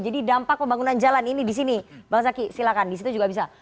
jadi dampak pembangunan jalan ini di sini bang zaki silahkan di situ juga bisa